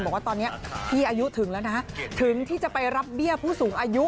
บอกว่าตอนนี้พี่อายุถึงแล้วนะถึงที่จะไปรับเบี้ยผู้สูงอายุ